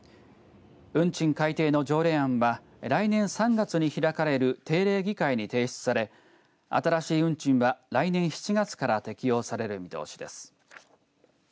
運賃改定の条例案は来年３月に開かれる定例議会に提出され新しい運賃は、来年７月から適用される見通しです。